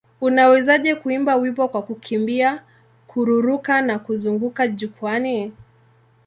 Unawezaje kuimba wimbo kwa kukimbia, kururuka na kuzunguka jukwaani?